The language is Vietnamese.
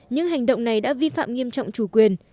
những hành động này đã vi phạm nghiêm trọng chủ quyền